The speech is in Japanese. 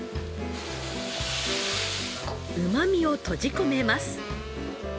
うまみを閉じ込めます。